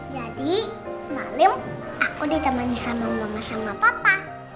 jadi semalam aku ditemani sama mama sama papa